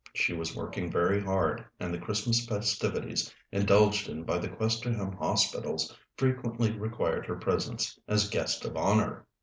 She was working very hard, and the Christmas festivities indulged in by the Questerham Hospitals frequently required her presence as guest of honour.